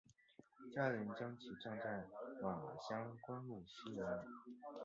家人将其葬在马乡官路西沿。